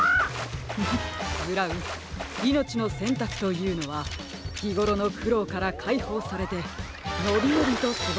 フフッブラウン「いのちのせんたく」というのはひごろのくろうからかいほうされてのびのびとすごすことですよ。